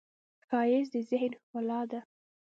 ښایست د ذهن ښکلا ده